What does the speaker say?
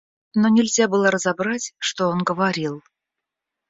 Но нельзя было разобрать, что он говорил.